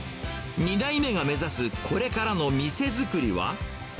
２代目が目指すこれからの店作りは。